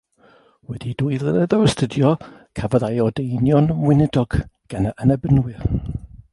Wedi dwy flynedd o astudio cafodd ei ordeinio'n weinidog gan yr Annibynwyr.